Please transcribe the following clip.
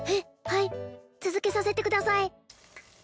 はい続けさせてください